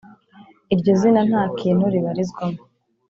iryo zina ntakintu ribarizwamo